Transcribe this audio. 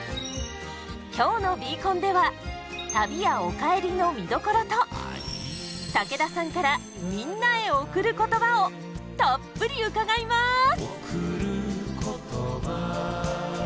今日の「Ｂコン」では「旅屋おかえり」の見どころと武田さんからみんなへ贈る言葉をたっぷり伺います！